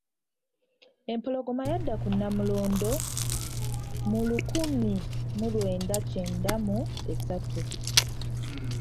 Empologma yadda ku Nnamulondo mu lukumi mu lwenda kyenda mu esatu.